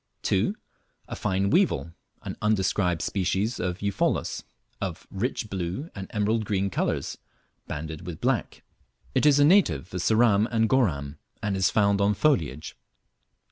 2. A fine weevil, (an undescribed species of Eupholus,) of rich blue and emerald green colours, banded with black. It is a native of Ceram and Goram, and is found on foliage.